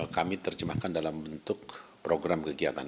kami terjemahkan dalam bentuk program kegiatan